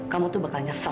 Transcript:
kamu tuh bakal nyesel